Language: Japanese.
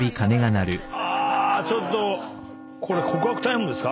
あちょっとこれ告白タイムですか？